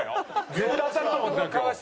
絶対当たると思ってた今日。